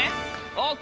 ＯＫ！